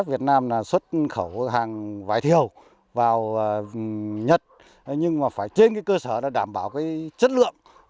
đưa việt nam đến nơi tốt nhất trong thế giới